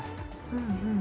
うんうん。